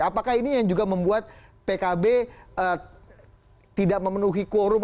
apakah ini yang juga membuat pkb tidak memenuhi quorum